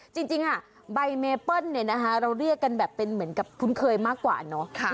จริงใบเมเปิ้ลเราเรียกกันแบบเป็นเหมือนกับคุ้นเคยมากกว่าเนอะ